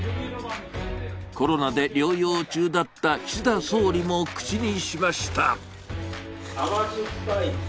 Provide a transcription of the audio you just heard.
コロナで療養中だった岸田総理も口にしました。